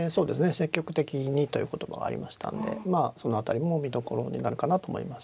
積極的にという言葉ありましたんでまあその辺りも見どころになるかなと思います。